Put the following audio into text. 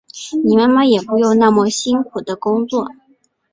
你妈妈也不用那么辛苦的工作